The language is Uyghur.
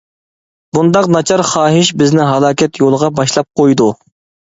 بۇنداق ناچار خاھىش بىزنى ھالاكەت يولىغا باشلاپ قويىدۇ.